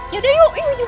yaudah yuk yuk yuk yuk yuk